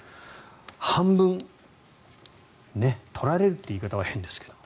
半分取られるという言い方は変ですけど。